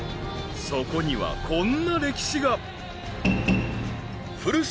［そこにはこんな歴史が］